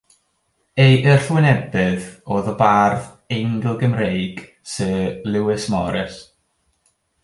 Ei wrthwynebydd oedd y bardd Eingl-gymreig Syr Lewis Morris.